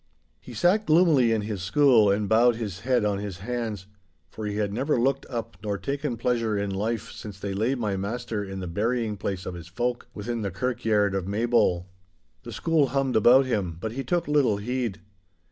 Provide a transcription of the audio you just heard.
He sat gloomily in his school and bowed his head on his hands, for he had never looked up nor taken pleasure in life since they laid my master in the burying place of his folk within the kirkyaird of Maybole. The school hummed about him, but he took little heed.